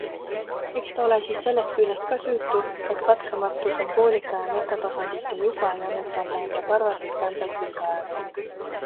Eks ta ole siis sellest küljest ka süütu, et katkematu sümboolika ja metatasandite juga ei olnud talle enda karvaseid kämblaid külge ajanud.